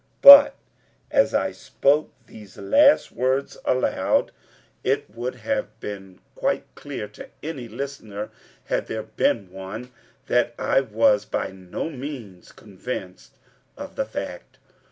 But as I spoke these last words aloud, it would have been quite clear to any listener had there been one that I was by no means convinced of the fact.